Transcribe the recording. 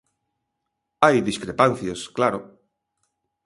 Hai discrepancias, claro.